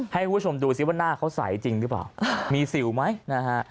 ให้คุณผู้ชมดูซิว่าหน้าเขาใสจริงหรือเปล่ามีสิวไหมนะฮะ